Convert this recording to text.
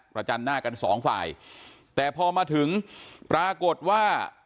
จันหน้ากันสองฝ่ายแต่พอมาถึงปรากฏว่า